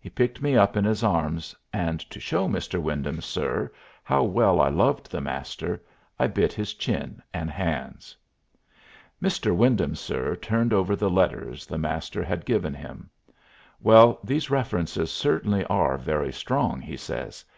He picked me up in his arms, and to show "Mr. Wyndham, sir," how well I loved the Master, I bit his chin and hands. "Mr. Wyndham, sir," turned over the letters the Master had given him. "Well, these references certainly are very strong," he says.